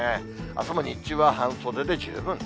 あすも日中は半袖で十分。